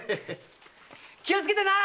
気をつけてな！